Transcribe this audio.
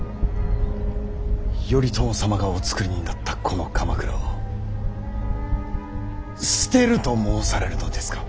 頼朝様がおつくりになったこの鎌倉を捨てると申されるのですか。